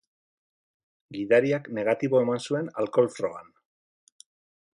Gidariak negatibo eman zuen alkohol-frogan.